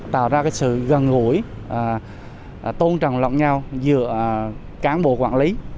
tạo ra sự gần gũi tôn trọng lòng nhau giữa cán bộ quản lý